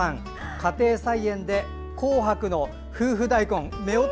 家庭菜園で紅白の夫婦大根めおと